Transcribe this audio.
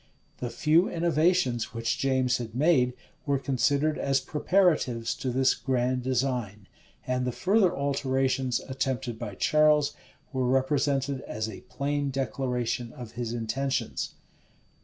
[*] The few innovations which James had made, were considered as preparatives to this grand design; and the further alterations attempted by Charles, were represented as a plain declaration of his intentions.